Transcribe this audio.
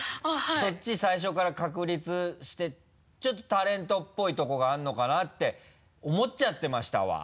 そっち最初から確立してちょっとタレントっぽいとこがあるのかな？って思っちゃってましたわ。